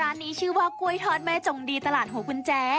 นี้ชื่อว่ากล้วยทอดแม่จงดีตลาดหัวกุญแจ